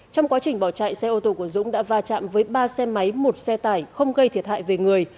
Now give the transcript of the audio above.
trong quá trình bỏ chạy xe ô tô của dũng đã va chạm với ba xe máy một xe tải không gây thiệt hại về người